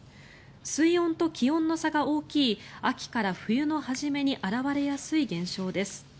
水温と気温の差が大きい秋から冬の初めに表れやすい現象です。